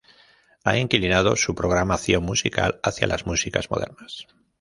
Ha inclinado su programación musical hacia las músicas modernas.